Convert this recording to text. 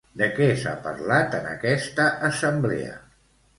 De què s'ha parlat en aquesta assemblea?